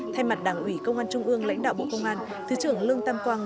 thay mặt đảng ủy công an trung ương lãnh đạo bộ công an thứ trưởng lương tam quang